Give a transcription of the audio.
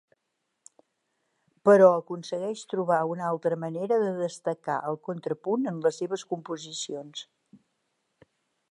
Però aconsegueix trobar una altra manera de destacar el contrapunt en les seves composicions.